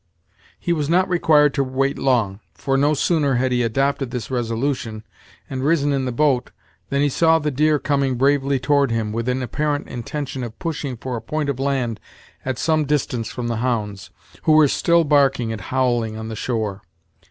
He was not required to wait long, for no sooner had he adopted this resolution, and risen in the boat, than he saw the deer coming bravely toward him, with an apparent intention of pushing for a point of land at some distance from the hounds, who were still barking and howling on the shore.